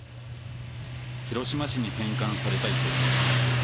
広島市に返還された遺骨。